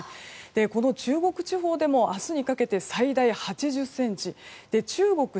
この中国地方でも明日にかけて最大８０ｃｍ